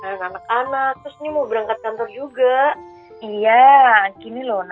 ya ampun ibu kemarin kan